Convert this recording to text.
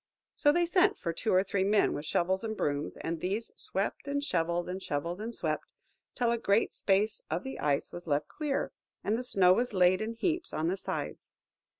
So they sent for two or three men with shovels and brooms, and these swept and shovelled, and shovelled and swept, till a great space of the ice was left clear, and the snow was laid in heaps on the sides.